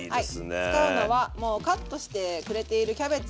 はい使うのはもうカットしてくれているキャベツ。